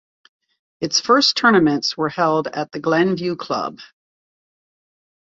Its first tournaments were held at the Glen View Club.